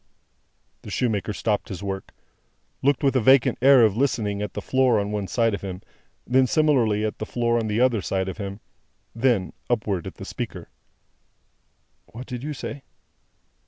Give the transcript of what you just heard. The shoemaker stopped his work; looked with a vacant air of listening, at the floor on one side of him; then similarly, at the floor on the other side of him; then, upward at the speaker. "What did you say?"